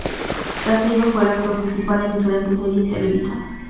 Tras ello fue el actor principal en diferentes series televisivas.